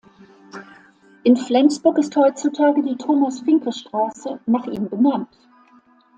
In Flensburg ist heutzutage die Thomas-Fincke-Straße nach ihm benannt.